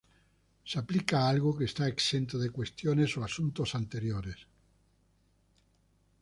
Se aplica a algo que está exento de cuestiones o asuntos anteriores.